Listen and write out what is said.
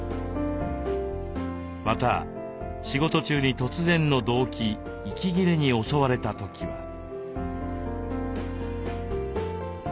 また仕事中に突然のどうき息切れに襲われた時は。